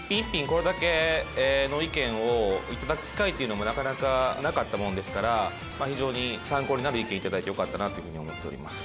これだけの意見をいただく機会っていうのもなかなかなかったものですから非常に参考になる意見いただいてよかったなっていう風に思っております。